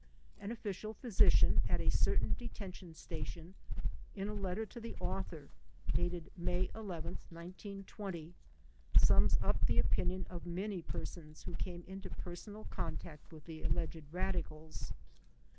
An official physician at a certain detention station in a letter to the author, dated May 11, 1920, sums up the opinion of many persons who came into personal contact with the alleged radicals.